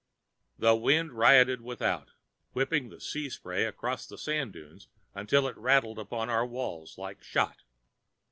The wind rioted without, whipping the sea spray across the sand dunes until it rattled upon our walls like shot.